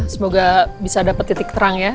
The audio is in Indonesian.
semoga bisa dapat titik terang ya